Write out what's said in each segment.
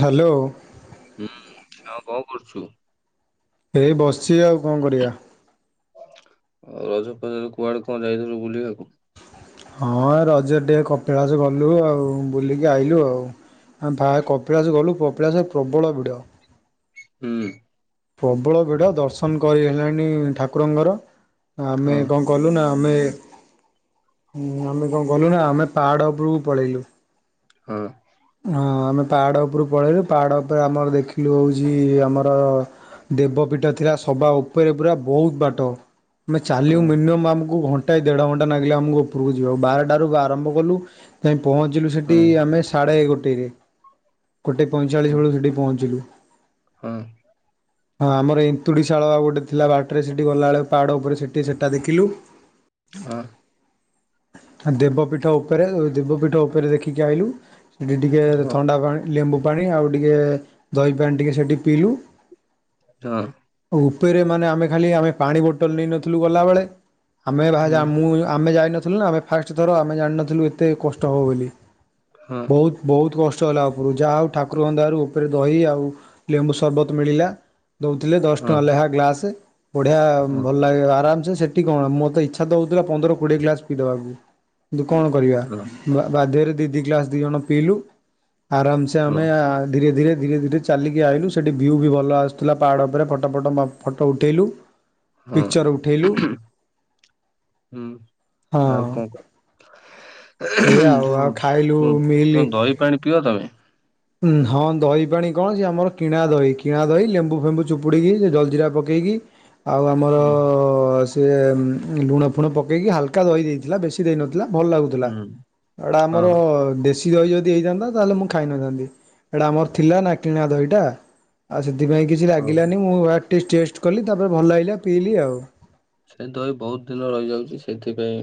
Hello. ହୁଁ ଆଉ କଁ କରୁଛୁ? ଏଇ ବସଛି ଆଉ କଁ କରିଆ। ଆଉ ରଜ ଫଜରେ କୁଆଡେ କଁ ଯାଇଥିଲୁ ବୁଲିବାକୁ? ହଁ ରଜେରେ ଟିକେ କପିଳାସ ଗଲୁ ଆଉ ବୁଲିକି ଆଇଲୁ ଆଉ। ଆମେ ଭାଇ କପିଳାସ ଗଲୁ କପିଳାସ ପ୍ରବଳ ଭିଡ। ହୁଁ। ପ୍ରବଳ ଭିଡ ଦର୍ଶନ କରି ହେଲାନି ଠାକୁରଙ୍କର ଆମେ ହଁ କଁ କଲୁ ନା ଆମେ ଉଁ ଆମେ କଁ ଗଲୁ ନା ଆମେ ପାହାଡ ଉପୁରୁକୁ ପଳେଇଲୁ। ହଁ। ହଁ ଆମେ ପାହାଡ ଉପୁରୁକୁ ପଳେଇଲୁ ପାହାଡ ଉପରେ ଆମର ଦେଖିଲୁ ହଉଚି ଆମର ଦେବପୀଠ ଥିଲା ସବା ଉପରେ ପୂରା ବୋହୁତ ବାଟ। ମେ ହଁ ଚାଲିବୁ ମିନିମମ୍ ଆମକୁ ଘଣ୍ଟାଏ ଦେଢ ଘଣ୍ଟା ନାଗିଲା ଆମୁକୁ ଓପୁରୁକୁ ଯିବାକୁ ବାରେଟାରୁଗୁ ଆରମ୍ଭ କଲୁ ଯାଇଁ ପହଞ୍ଚିଲୁ ସେଟି ହଁ ଆମେ ସାଡେ ଗୋଟେରେ। ଗୋଟେ ହଁ ପଇଁଚାଳିଶ ବେଳୁକୁ ସେଠି ପହଞ୍ଚିଲୁ। ହଁ। ହଁ ଆମର ଏନ୍ତୁଡିଶାଳ ଆଉ ଗୋଟେ ଥିଲା ବାଟରେ ସେଠି ଗଲାବେଳେ ପାହାଡ ଉପରେ ସେଠି ସେଟା ଦେଖିଲୁ। ହଁ। ଆ ଦେବପୀଠ ଉପେରେ ଦେବପୀଠ ଉପେରେ ଦେଖିକି ଆଇଲୁ ସେଠି ଟିକେ ହଁ ଥଣ୍ଡା ପାଣି ଲେମ୍ବୁ ପାଣି ଆଉ ଟିକେ ଦହି ପାଣି ଟିକେ ସେଠି ପିଇଲୁ। ହଁ। ଉପେରେ ମାନେ ଆମେ ଖାଲି ଆମେ ପାଣି ବୋଟଲ୍ ନେଇ ନଥିଲୁ ଗଲାବେଳେ ଆମେ ବାହା ଯା ହଁ ମୁଁ ଆମେ ଯାଇନଥିଲୁ ନା ଆମେ ଫାଷ୍ଟ ଥର ଆମେ ଜାଣିନଥିଲୁ ଏତେ କଷ୍ଟ ହବ ବେଲି। ହଁ ହୁତ ବୋହୁତ କଷ୍ଟ ହେଲା ଉପୁରୁକୁ ଯାହା ହଉ ଠାକୁରଙ୍କ ଦୟାରୁ ଉପେରେ ଦହି ଆଉ ଲେମ୍ବୁ ସରବତ ମିଳିଲା ଦଉଥିଲେ ଦଶ ଟଙ୍କା ହଁ ଲେହା ଗ୍ଲାସେ ବଢିଆ ଉଁ ହଁ ଭଲ୍ ଲାଗେ ଆରାମ୍ ସେ ସେଠି କଣ ମୋର ତ ଇଚ୍ଛା ତ ହଉଥିଲା ପନ୍ଦର କୋଡିଏ ଗ୍ଲାସ ପିଇ ଦବାକୁ। କିନ୍ତୁ କଣ କରିବା ହଁ ମା ବାଧ୍ୟରେ ଦି ଦି ଗ୍ଲାସ୍ ଦି ଜଣ ପିଇଲୁ ଆରାମ୍ ସେ ସେ ଆମେ ଧୀରେ ଧୀରେ ଧୀରେ ଧୀରେ ଚାଲିକି ଆଇଲୁ ସେଇଠି ଭିଉ ବି ଭଲ ଆସୁଥିଲା ପାହାଡ଼ ଉପରେ ଫଟୋ ଫଟ ମା ଫଟ ଉଠେଇଲୁ। ହଁ ହଁ ପିକ୍ଚର ଉଠେଇଲୁ ହୁଁ ହଁ। ଆଉ କଣ କ- ଏଇଆ ଆଉ ଯୋଉ ଆଉ ଖାଇଲୁ ଉଁ ତମେ ଦହି ପାଣି ପିଅ ତମେ। ଉଁ ହଁ ଦହି ପାଣି କଁ ସିଏ ଆମର କିଣା ଦହି କିଣା ଦହି ଲେମ୍ବୁ ଫେମ୍ବୁ ଚୁପୁଡିକି ସେ ଜଲଜିିରା ପକ୍ କେଇକି ଆଉ ଆମର ହୁଁ ସ୍ ଏ ଉଁ ଲୁଣ ଫୁଣ ପକେଇକି ହାଲକା ଦହି ଦେଇଥିଲା ବେଶୀ ଦେଇନଥିଲା ଭଲ ଲାଗୁ ତୁଲା ହୁଁ ଆ ଏଟା ଆମର ହଁ ଦେଶୀ ଦହି ଯଦି ହେଇଥାନ୍ତା ତାହେଲେ ମୁଁ ଖାଇ ନଥାନ୍ତି। ଏଟା ଆମର ଥିଲା ନା କିଣା ଦହିଟା ଆଉ ସେଥିପାଇଁ କିଛି ଓହୋ ଲାଗିଲାନି ମୁଁ ଆ ଟିକେ ଟେଷ୍ଟ କଲି ତାପରେ ଭଲ ଲାଗିଲା ପିଇଲି ଆଉ। ସେ ଦହି ବୋହୁତ ଦିନ ରହିଯାଉଚି ସେଥିପାଇଁ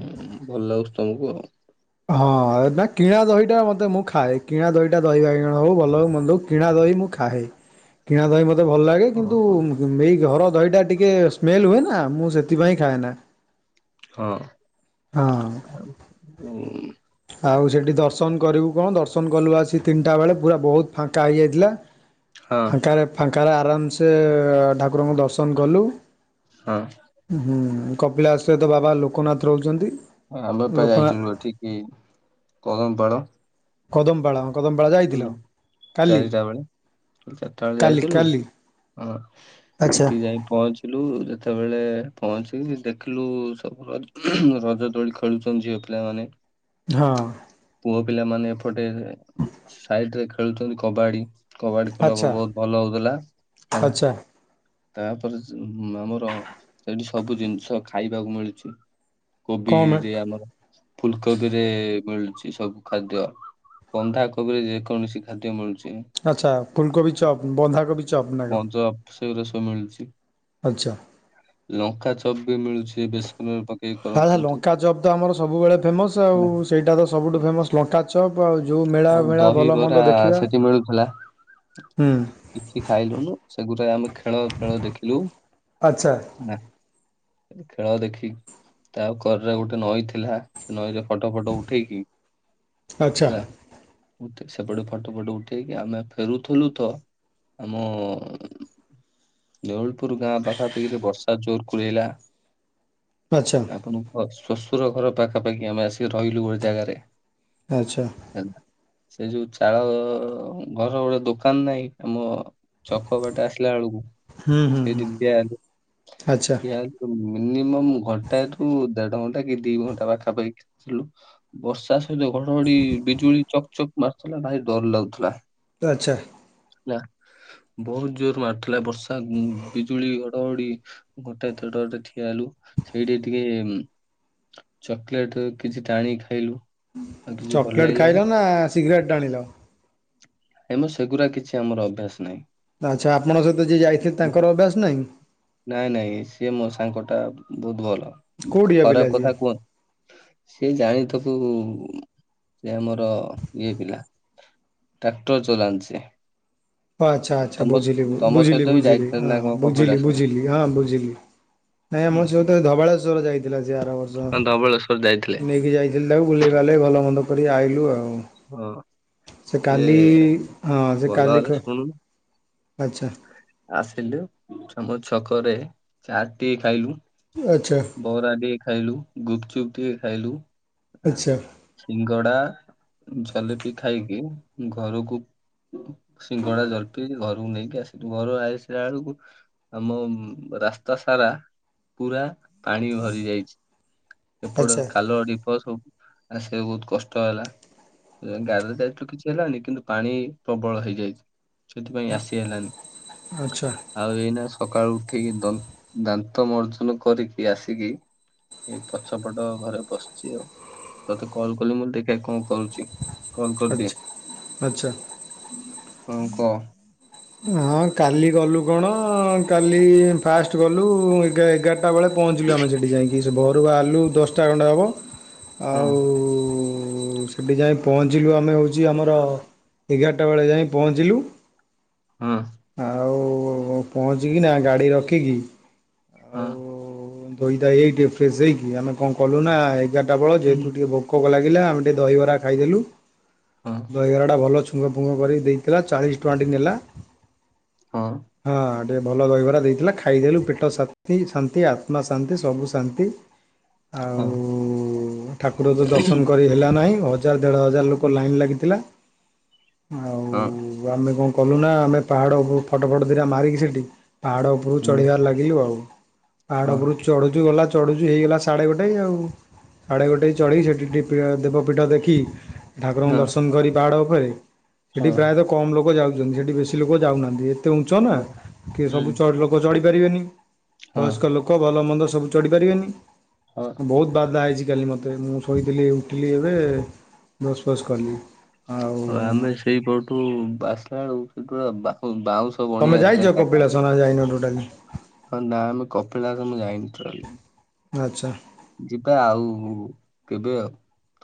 ଭଲ ଲାଗୁଛି ତମୁକୁ ଆଉ। ହଁ ନା କିଣା ଦହିଟା ମତେ ମୁଁ ଖାଏ କିଣା ଦହିଟା ଦହି ବାଇଗଣ ହଉ ଭଲ ହଉ ମନ୍ଦ ହଉ କିଣା ଦହି ମୁଁ ଖାଏ। କିଣା ଦହି ମୋତେ ଭଲ ଲାଗେ କିନ୍ତୁ ଓହୋ ମୁଁ ଏଇ ଘର ଦହିଟା ଟିକେ ସ୍ମେଲ୍ ହୁଏ ନା ମୁଁ ସେଥିପାଇଁ ଖାଏ ନା। ହଁ। ହଁ। ଆଉ, ଉଁ, ଆଉ ସେଠି ଦର୍ଶନ କରିବୁ କଣ ଦର୍ଶନ କଲୁ ଆସିିକ ତିନିଟା ବେଳେ ପୁରା ବହୁତ ଫାଙ୍କା ହେଇଯାଇଥିଲା। ହ ଫାଙ୍କାରେ ଫାଙ୍କାରେ ଆରାମସେ ଠାକୁରଙ୍କୁ ଦର୍ଶନ କଲୁ। ହଁ। ହୁଁ କପିଳାସ ସହିତ ବାବା ଲୋକନାଥ ରହୁଛନ୍ତି। ଆମ ପା ଲୋକନାଥ ଯାଇଥିଲୁ ଏଠିକି କଦମପାଳ। କଦମପାଳ କଦମପାଳା ହୁଁ ଯାଇଥିଲ, କାଲି। ଚାରିଟା ବେଳେ ଚାରିଟା ବେଳେ କାଲି ଯାଇଥିଲୁ କାଲି ହଁ ଆଚ୍ଛା ସେଠିକି ଯାଇ ପହଞ୍ଚ ଦେଖିଲୁ ଯେତେବେଳେ ପହଞ୍ଚିକି ଦେଖିଲୁ ସବୁ ର ରଜ ଦୋଳି ଖେଳୁଛନ୍ତି ଝିଅ ପିଲାମାନେ। ହଁ। ପୁଅ ପିଲାମାନେ ଏପଟେ ସାଇଡରେ ଖେଳୁଛନ୍ତି କବାଡି। କବାଡି ଖେଳ ଆଚ୍ଛା ବୋହୁତ ଭଲ ହୋଉଥିଲା ହେଲା। ଆଚ୍ଛା ତାପରେ ଆମର ସେଠି ସବୁ ଜିନିଷ ଖାଇବାକୁ ମିଳୁଚି। କୋବି କମ୍ ରେ ଆମର ଫୁଲକୋବି ରେ ମିଳୁଛି ସବୁ ଖାଦ୍ୟ। ବନ୍ଧା କୋବିରେ ଯେକୌଣସି ଖାଦ୍ୟ ମିଳୁଚି। ଆଚ୍ଛା ଫୁଲକୋବି ଚପ ବନ୍ଧାକୋବି ଚପ ନା କ ରସ ମିଳୁଛି ଲଙ୍କା ଚପ୍ ବି ମିଳୁଛି ବେସନ ପକେଇ ହଁ କରୁଛନ୍ତି ଲଙ୍କା ଚପ୍ ତ ଆମର ସବୁବେଳେ ଫେମସ୍ ଆଉ, ହେଲା। ସେଇଟା ତ ସବୁଠୁ ଫେମସ୍। ଲଙ୍କା ଚପ୍ ଆଉ ଯୋଉ ମେଳା ଆଉ ମେଳା ଭଲ ଦହିବରା ମନ୍ଦ ଦେଖିବା। ସେଠି ମିଳୁଥିଲା ହୁଁ କିଛି ଖାଇଲୁନୁ ସେଗୁଡା ଆମେ ଖେଳ ଫେଳ ଦେଖିଲୁ। ଆଚ୍ଛା। ହେଲା। ଖେଳ ଦେଖି ତା କରରେ ଗୋଟେ ନଈ ଥିଲା। ସେ ନଈରେ ଫଟୋ ଫଟୋ ଉଠେଇକି ଆଚ୍ଛା ହେଲା। ସେପଟେ ଫଟୋ ଫଟୋ ଉଠେଇକି ଆମେ ଫେରୁଥିଲୁ ତ। ଆମ ଦୋଉଲପୁର ଗାଁ ପାଖାପାଖିରେ ବର୍ଷା ଜୋର କଳେଇଲା। ଆଚ୍ଛା ଆପଣ ଶ୍ୱଶୁର ଘର ପାଖାପାଖି ଆମେ ଆସିକି ରହିଲୁ ଗୋଟେ ଜାଗାରେ। ଆଚ୍ଛା। ହେଲା ସେ ଯୋଉ ଚାଳ ଘର ଗୋଟେ ଦୋକାନ ନାହିଁ ଆମ ଚକପଟା ଆସିଲା ବେଳକୁ ହୁଁ ହୁଁ ସେଇଠି ହୁଁ ଠିଆ ହେଲେ ଆଚ୍ଛା ଠିଆ ହେଲେ ମିନିମ ଘଣ୍ଟାଠୁ ଦେଢ ଘଣ୍ଟା କି ଦି ଘଣ୍ଟା ପାଖାପାଖି ବର୍ଷା ସହିତ ଘଡଘଡି ବିଜୁଳି ଚକ ଚକ୍ ମାରୁଥିଲା, ଭାରି ଡର ଲାଗୁଥିଲା। ଆଚ୍ଛା। ହେଲା ବହୁତ ଜୋର ମାରିଥିଲା ବର୍ଷା ବିଜୁଳି ଘଡଘଡ଼ି। ଗୋଟେ [unintelligible] ଠିଆ ହେଲୁ ସେଇଠି ଟିକେ ଚକୋଲେଟ କିଛି ଟାଣ ଖାଇଲୁ, ଆଉ କିଛି ଭଲ ଚକେଲେଟ୍ ଲାଗିଲାନି। ଖାଇଲ ନା ସିଗାରେଟ୍ ଖାଇଲ? ଏବଂ ସେଗୁଡା କିଛି ଆମର ଅଭ୍ୟାସ ନାହିଁ। ଆଚ୍ଛା ଆପଣ ସହିତ ଯିଏ ଯାଇଥିବ ତାଙ୍କର ଅଭ୍ୟାସ ନାହିଁ? ନାଇଁ ନାଇଁ ସି ମୋ ସାଙ୍ଗ ଟା ବୋହୁତ ଭଲ କୋଉଠିକା ପିଲା ଖରାପ ଯିଏ? କଥା କୁହ ସେ ଜାଣିଥକୁ ସେ ଆମର ଇଏ ପିଲା। ଟ୍ରାକ୍ଟର ଚଳନ୍ତି। ଆଚ୍ଛା ଆଚ୍ଛା ବୁଝିଲି ମୁଁ ବୁଝିଲି ସହିତ ବି ବୁଝିଲି ଯାଇଥିଲେ ହଁ ନା କଣ ବୁଝିଲି କପିଳାସ? ବୁଝିଲି ହଁ ବୁଝିଲ। ନାଇଁ ଆମର ହୁଁ। ସେ ତ ଧବାଳେଶ୍ଵର ଯାଇଥିଲା ସେ ଆର ବର୍ଷ ହଁ ଧବଳେଶ୍ଵର ଯାଇଥିଲେ ନେଇକି ଯାଇ ଦିଲ୍ଲ ତାକୁ ବୁଲେଇବାଲେଇ ଭଲ ମନ୍ଦ କରି ଆଇଲୁ ଆଉ। ହଁ। ସେ କାଲି ହଁ ସେ ଭଲ କାଲି ହେଲା କ ଶୁଣୁନୁ ଆଚ୍ଛା। ଆସିଲୁ ତମ ଛକରେ ଚାରଟିଏ ଖାଇଲୁ। ଆଚ୍ଛା। ବରା ଟିଏ ଖାଇଲୁ ଗୁପଚୁପ୍ ଟିକେ ଖାଇଲୁ ଆଚ୍ଛା ସିଙ୍ଗଡ଼ା ଜଲେପି ଖାଇକି ଘରୁକୁ ସିଙ୍ଗଡ଼ା ଜଲପି ଘରକୁ ନେଇକି ଆସିଲୁ ଘରୁ ଆଇସିଲା ବେଳକୁ ଆମ ରାସ୍ତା ସାରା ପୁରା ପାଣି ଭରି ଯାଇଛି। ଏପଟେ ଆଚ୍ଛା ଖାଲ ଢିପ ସବୁ ଆସିବା ବହୁତ କଷ୍ଟ ହେଲା। ଗାଡ଼ିରେ ଯାଇଥିଲୁ କିଛି ହେଲାନି କିନ୍ତୁ ପାଣି ପ୍ରବଳ ହେଇଯାଇଛି ସେଥିପାଇଁ ଆସି ହେଲାନି ଆଚ୍ଛା ଆଉ ଏଇନା ସକାଳୁ ଉଠିକି ଦ ଦାନ୍ତ ମର୍ଜନ କରିକି ଆସିକି ଏଇ ପଛପଟ ଘରେ ବସିଛି ଆଉ ତତେ କଲ କଲି ମୁଁ କହିଲି ଦେଖିବା କଣ କରୁଛି? କଲ କରିଦିଏ ଆଚ୍ଛା। ଆଚ୍ଛା। ହଁ କ ହଁ କାଲି ଗଲୁ କଣ କାଲି ଫାଷ୍ଟ ଗଲୁ ଏ ଏଗାର ଟା ବେଳେ ପହଞ୍ଚିଲୁ ଆମେ ସେଠି ଯାଇକି ସେ ଘରୁ ବାହାରିଲୁ ଦଶଟା ଖଣ୍ଡେ ହବ। ହଁ ଆଉ ସେଠି ଯାଇ ପହଞ୍ଚିଲୁ ଆମେ ହେଉଛି ଆମର ଏଗାରଟା ବେଳେ ଯାଇ ପହଞ୍ଚିଲୁ ହୁଁ ଆଉ ପହଞ୍ଚିକି ହଁ ଧୋଇ ଧାଇ ହେଇଟି ଫ୍ରେଶ ହେଇକି ଆମେ କଣ କଲୁ ନା ଏଗାରଟା ବେଳ ଯେହେତୁ ଟିକେ ଭୋ କୋକ ଲାଗିଲା ଆମେ ଟିକେ ଦହିବରା ଖାଇଦେଲୁ ଦହିବରାଟା ଭଲ ଛୁ ଶୁଙ୍ଗ ଫୁଙ୍ଗ କରିକି ଦେଇଥିଲା ଚାଳିଶ ଟଙ୍କାଟି ନେଲା। ହଁ। ହଁ ଟିକେ ଭଲ ଦହିବରା ଦେଇଥିଲା ଖାଇଦେଲୁ ପେଟ ଶାନ୍ତି ଶାନ୍ତି ଆଉ ତ୍ମା ଶାନ୍ତି ସବୁ ଶାନ୍ତି ଆଉ ଠାକୁର ତ ଦର୍ଶନ କରି ହେଲା ନାହିଁ ହଜାର ଦେଢ଼ ହଜାର ଲୋକ ଲାଇନ୍ ଲାଗିଥିଲା ଆଉ ଆମେ କଣ କଲୁ ନା ଆମେ ପାହାଡ଼ ଉପ ଫଟୋ ଫଟ ଦିଟା ମାରିକି ସେଇଠି ପାହାଡ଼ ଉପରୁ ଚଢିବାର ଲାଗିଲୁ ଆଉ, ପାହାଡ ଉପରୁକୁ ଚଢୁଛୁ ଗଲା ଚଢୁଛୁ ହେଇଗଲା ସାଢେ ଗୋଟେ ଆଉ। ଆଢ଼େ ଗୋଟେଇ ଚଡ଼େଇ ସେଠି ଟିକେ ଦେବପୀଠ ଦେଖି ଠାକୁରଙ୍କୁ ଦର୍ଶନ କରି ପାହାଡ଼ ଉପରେ, ସେଠି ପ୍ରାୟତଃ କମ୍ ଲୋକ ଯାଉଛନ୍ତି ସେଠି ବେଶୀ ଲୋକ ଯାଉନାହାନ୍ତି, ଏ ତେ ଉଞ୍ଚ ନା କି ସବୁ ଚ ଲୋକ ଚଢ଼ି ପାରିବେନି ବୟସ୍କ ଲୋ କ ଭଲ ମନ୍ଦ ସବୁ ଚଢ଼ି ପାରିବେନି ହ ବହୁତ ବାଧା ହେଇଛି କାଲି ମୋତେ ମୁଁ ଶୋଇଥିଲି ଉଠିଲି ଏବେ ବସ ଫସ୍ କଲି ହଁ ଆଉ ଆମେ ସେଇପଟୁ ବାସଲା ବେଳୁ ପୁରା ବାପ ବାଉଁଶ ସବୁ ଵଣିଆ ଥିଲା ଜାଗା ହଁ ଯାଇନ ଟାେଟାଲି। ହଁ ନା ଆମେ କପିଳାସ ମୁଁ ଯାଇନି [unintelligible] ଆଚ୍ଛା। ଯିବା ଆଉ କେବେ ଆଉ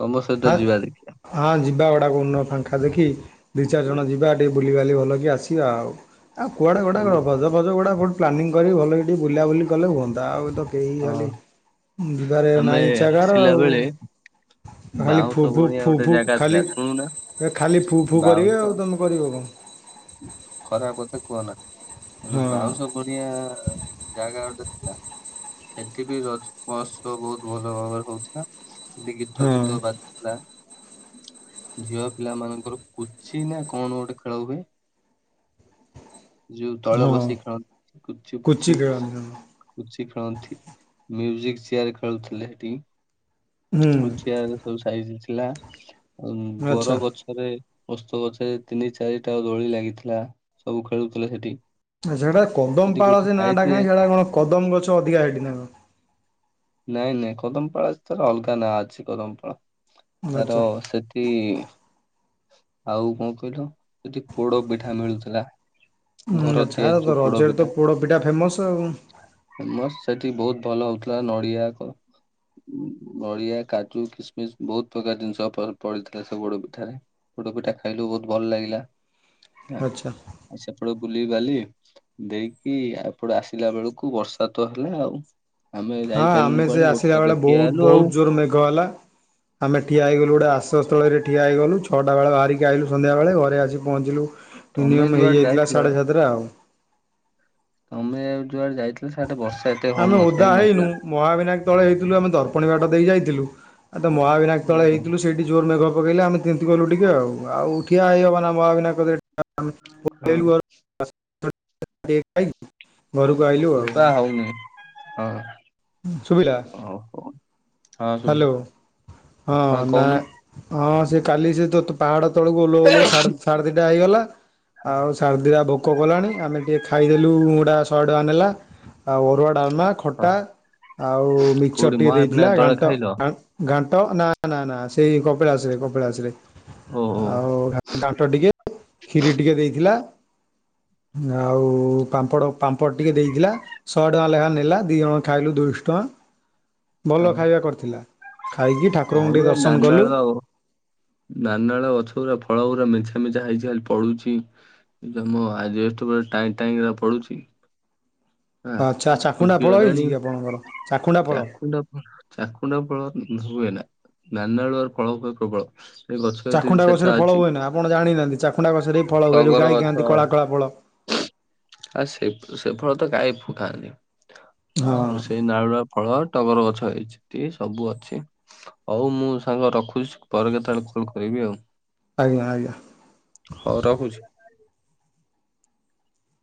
ତମ ଆ ସହିତ ଯିବା ଦେଖିବା ହଁ ଯିବା ଗୁଡ଼ା କୋଉଦିନ ଫାଙ୍କା ଦେଖି ଦି ଚାରି ଜଣ ଯୋ- ଯିବା ଟିକେ ବୁଲିିବାଲି ଭଲ କି ଆସିବା ଆଉ ଆଉ କୁଆଡ଼େ ଗୋଟେ ଆମେ [unintelligible] ଗଜଗୁଡ଼ା ଗୋଟ ପ୍ଲାନିଙ୍ଗ କରି ଭଲ କି ଟିକି ବୁଲା ବୁଲି କଲେ ହୁଅନ୍ତା ଆଉ ଏ ତ କେହି ହଁ ହାଲି ଯିବାରେ ଆମେ ନାଇଁ ଇଛା କାହାର ଆସିଲା ଆଉ ବେଳେ ଖାଲି ବାଉଁଶ ଫୁ ଫୁ ବଣିଆ ଫୁ ଗୋଟେ ଫୁ ଜାଗା ଥିଲା ଖାଲି ଶୁଣୁନା ଏ ଖାଲି ଫୁ ଫୁ କରିବେ ଆଉ ତୁମେ କରିବ କଣ? ଖରା କଥା କୁହନା ହଁ ବାଉଁଶ ପଡ଼ିଆ ଜାଗା ଗୋଟେ ଥିଲା ସେଠି ବି ରଜ ମହୋତ୍ସବ ବହୁତ ଭଲ ଭାବରେ ହୋଉଥିଲା ସେ ଗୀତ ଫୀତ ବା ହଁ ଲା ଝିଅ ପିଲା ମାନଙ୍କର କୁଛି ନା କଣ ଗୋଟେ ଖେଳ ଗୂରେ ଯଉ ତଳ ହଁ। ବସିକି ଖେଳନ୍ତି କୁଚି ପୁଚି ଖେଳନ୍ତି ହଁ ପୁଚି ଖେଳନ୍ତି, ମ୍ୟୁଜିକ ଚେୟାର ଖେଳୁଥିଲେ ସେଠି ହୁଁ ଆଉ ଚେୟାର ବୁ ସାଇଜ୍ ଥିଲା ଆଚ୍ଛା। ବର ଗଛରେ ଓସ୍ତ ଗଛରେ ତିନି ଚାରିଟା ଦୋଳି ଲାଗିଥିଲା ସବୁ ଖେଳୁଥିଲେ ହେଟି ସେଟା କଦମ ପାଳ ସେ ନାଆଁଟା ରେ କାହିଁକି ହେଲା କଣ କଦମ ଗଛ ଅଧିକା ହେଇଠି ନାଁ କଣ? ନାଇଁ ନାଇଁ କଦମପାଳ ତାର ଅଲଗା ନାଁ ଅଛି କଦମପାଳ ତାର ଆଚ୍ଛା ସେଠ ଟି ଆଉ କଣ କହିଲ ଯଦି ପୋଡ଼ ପିଠା ମିଳୁଥିଲା ଉଁ ଘର ଆଛା ତିଆରି ଯୋଉ ତ ପୋଡ ରଜରେ ତ ପୋଡ ପିଠା ଫେମସ ଆଉ। ଫେମସ୍ ସେଠି ବୋହୁତ୍ ଭଲ ହଉଥିଲା ନଡିଆ କ ନଡ଼ିଆ କାଜୁ, କିସ୍ ମିସ୍ ବୋହୁତ୍ ପ୍ରକାର ଜିନ୍ସ ପ-ପଡିଥିଲା ସବୁ ପୋଡ ପିଠାରେ। ପୋଡ଼ା ପିଠା ଖାଇଲୁ ବୋହୁତ୍ ଭଲ ଲାଗିଲା। ହେଲା ଆଚ୍ଛା ଆଉ ସେପଟେ ବୁଲି ବାଲି ଦେଇକି ଏପଟେ ଆସିଲା ବେଳକୁ ବର୍ଷା ତ ହେଲା ଆଉ। ଆମେ ହଁ ଯାଇପାରିଲୁନୁ ଆମେ ସେ କୁଆଡେ ଗୋଟେ ଆସିଲା ବେଳେ ଜାଗାରେ ଠିଆ ବୋହୁତ୍, ହେଲୁ ଆଉ ବୋହୁତ୍ ଜୋରେ ମେଘ ହେଲା। ଆମେ ଠିଆ ହେଇଗଲୁ ଗୋଟେ ଆଶ୍ରୟ ସ୍ଥଳୀରେ ଠିଆ ହେଇଗଲୁ, ଛଅଟା ବେଳେ ବାହାରିକି ଆଇଲୁ ସନ୍ଧ୍ୟାେ ବେଳେ, ଘରେ ଆସି ପହଞ୍ଚିଲୁ ତମେ ମିନିମମ୍ ଯୁଆଡେ ହେଇଯାଇଥିଲା ଯାଇଥିଲ ସାଢ଼େ ସାତଟା ଆଉ। ତମେ ଯୁଆଡେ ଯାଇଥିଲ ସିଆଡେ ତ ବର୍ଷା ହେଇ ଆମେ ଓଦା ହେଇନୁ ମହାବିନାୟକ୍ ତଳେ ହେଇଥିଲୁ ଆମେ ଦର୍ପଣୀ ବାଟ ଦେଇ ଯାଇଥିଲୁ। ଆଉ ତ ମହାବିନାୟକ୍ ତଳେ ଓହୋ ହେଇଥିଲୁ ସେଇ ଠି ଜୋର୍ ମେଘ ପକେଇଲା ଆମେ ତିନ୍ତି ଗଲୁ ଟିକେ ଆଉ। ଆଉ ଠିଆ ହେଇ ହବ ନା ମହାବିନାୟକ କତିରେ ହଁ, [unintelligible] ଘରକୁ ଆଇଲୁ ଆଉ। ହଉ, ନାଇଁ। ହଁ। ହୁଁ ସୁୁଭିଲା। ଓହୋ। ହାଲୋ। ହଁ ନା ହଁ ସେ କାଲି ସେ ତ ପାହାଡ ତଳକୁ ଓଲହୁ ଓଲହୁ, ସାଢେଦିଟା ହେଇଗଲା। ଆଉ ସାଢେ ଦିଟା ଭୋ- ଭୋକ କଲାଣି। ଆମେ ଟିକେ ଖାଇଦେଲୁ, ଉଁ ଗୁଡା ସହେ ଟଙ୍କା ନେଲା। ଅରୁଆ ଡାଲମା, ହଁ ଖଟା, ଆଉ ମିକ୍ଚର୍ କୋଉଠି ଟିକେ ଦେଇଥିଲା ମହାବିନାୟକ ଘା ତଳେ ଖାଇଲ ଘାଣ୍ଟ ନା ନା ନା ସେଇ କପିଳାସରେ, କପିଳାସରେ ଓହୋ ଆଉ ଘାଣ୍ଟ ଟିକେ କ୍ଷିରି ଟିକେ ଦେଇଥିଲା। ଆଉ ପାମ୍ପଡ଼, ପାମ୍ପଡ଼ ଟିକେ ଦେଇଥିଲା। ସହେ ଟଙ୍କା ଲେଖା ନେଲା। ଦି ଜଣ ଖାଇଲୁ ଦୁଇଶହ ଟଙ୍କା। ହ ଭଲ ଖାଇବା କରି [unintelligible] ଓ କଲୁ। ନାନାଳ ଗଛରା ଫଳ ଗୁରା ମେଞ୍ଚା, ମେଞ୍ଚା ହୋଇଛି ଖାଲି ପଡୁଚି। ଏବେ ମୋ ଆଯେବେଷ୍ଟ ଉପରେ ଟାଇ ଟାଇଁ କିନା ପଡ଼ୁଛି। ଆଛା ଆଛା। ଚାକୁଣ୍ଡା ଫଳ ହେଇଛି କି ଆପଣଙ୍କର? ଚାକୁଣ୍ଡା ଫଳ? ଣ୍ଡ ଫ ଚାକୁଣ୍ଡା ଫଳ ହୁଏ ନା ନାନାଳୁଆ ଫଳ ହୁଏ ପ୍ରବଳ। ଏ ଗଛ ଏଠି ଦି ଚାଖୁଣ୍ଡା ଚାରିଟା ଗଛରେ ଫଳ ଅଛି ହୁଏନା, ଆପଣ ଜାଣିନାହାନ୍ତି। ଚାଖୁଣ୍ଡା ଗଛରେ ବି ଫଳ ହୁଏ। ଯୋଉ ଟଗର ଗାଈ ଗଛ ଖାଆନ୍ତି କଳା କଳା ଫଳ। ଆ ସେ ସେ ଫଳ ତ କାହିଁ ଫୁ ଖାନି ହଁ ଆଉ ସେଇ ନାରୁଆ ଫଳ ଟଗର ଗଛ ହେଇଚି ସବୁ ଅଛି। ହୋଉ ମୁଁ ସାଙ୍ଗ ରଖୁଛି ପରେ କେତେବେଳେ କଲ୍ କରିବି ଆଉ। ଆଜ୍ଞା ଆଜ୍ଞା। ହୋଉ ରଖୁଛି।